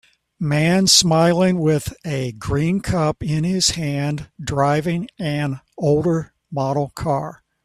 Man smiling with a green cup in his hand driving an older model car